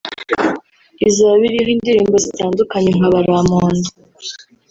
Izaba iriho indirimbo zitandukanye nka Baramponda